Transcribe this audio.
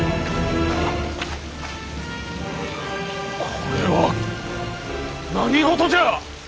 これは何事じゃ！